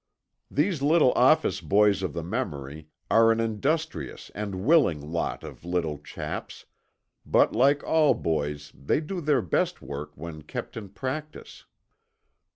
These little office boys of the memory are an industrious and willing lot of little chaps, but like all boys they do their best work when kept in practice.